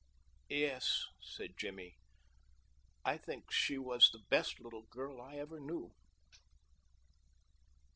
"Yes," said Jimmy, "I think she was the best little girl I ever knew."